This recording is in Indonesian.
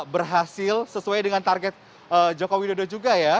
berhasil sesuai dengan target joko widodo juga ya